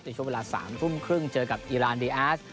ในช่วงเวลา๓ทุ่มครึ่งเจอกับอิรานดีอาร์ด